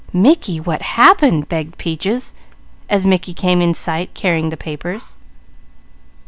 "Mickey, what happened?" begged Peaches as Mickey came in sight, carrying the papers.